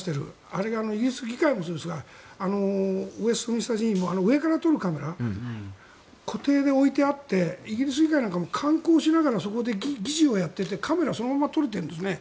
あれをイギリス議会もそうですがウェストミンスター寺院も上から撮るカメラ固定で置いてあってイギリス議会なんかも観光しながらそこで議事をやっていてカメラでそのまま撮れてるんですね。